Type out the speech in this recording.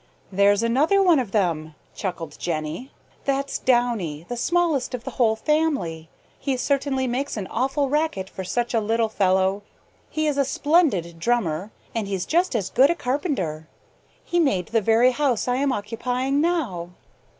"There's another one of them," chuckled Jenny. "That's Downy, the smallest of the whole family. He certainly makes an awful racket for such a little fellow. He is a splendid drummer and he's just as good a carpenter. He made the very house I am occupying now."